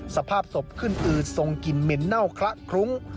สภาพศพขึ้นอืดทรงกลิ่นเหม็นเน่าคละคลุ้ง